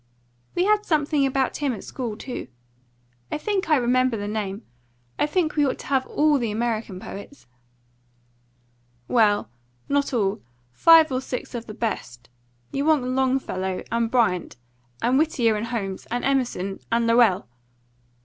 "We had something about him at school too. I think I remember the name. I think we ought to have ALL the American poets." "Well, not all. Five or six of the best: you want Longfellow and Bryant and Whittier and Holmes and Emerson and Lowell."